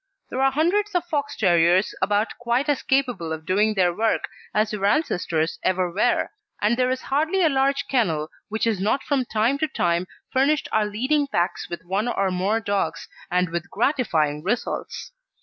There are hundreds of Fox terriers about quite as capable of doing their work as their ancestors ever were, and there is hardly a large kennel which has not from time to time furnished our leading packs with one or more dogs, and with gratifying results.